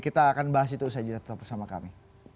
kita akan bahas itu saja tetap bersama kami